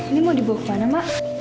ini mau dibawa kemana mak